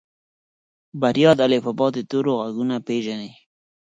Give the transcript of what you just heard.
بريا د الفبا د تورو غږونه پېژني.